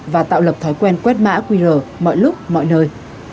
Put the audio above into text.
và tạo lập thói quen quét mã qr mọi lúc mọi nơi